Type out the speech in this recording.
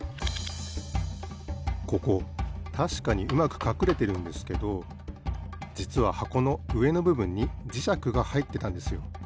ここたしかにうまくかくれてるんですけどじつははこのうえのぶぶんにじしゃくがはいってたんですよ。